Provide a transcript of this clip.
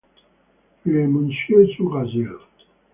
Le Monastier-sur-Gazeille